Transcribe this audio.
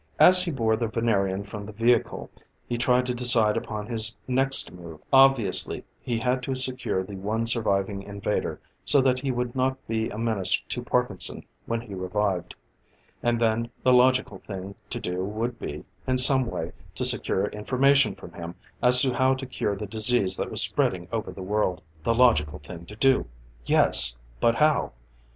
As he bore the Venerian from the vehicle, he tried to decide upon his next move. Obviously, he had to secure the one surviving invader, so that he would not be a menace to Parkinson when he revived. And then the logical thing to do would be, in some way, to secure information from him as to how to cure the disease that was spreading over the world. The logical thing to do, yes but how?